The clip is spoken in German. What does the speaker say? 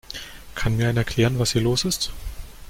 Kann mir einer erklären, was hier los ist?